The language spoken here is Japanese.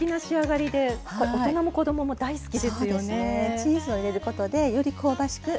チーズを入れることでより香ばしくなります。